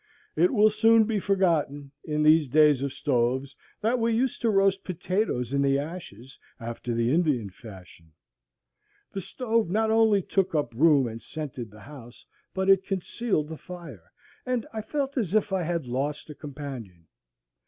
It will soon be forgotten, in these days of stoves, that we used to roast potatoes in the ashes, after the Indian fashion. The stove not only took up room and scented the house, but it concealed the fire, and I felt as if I had lost a companion.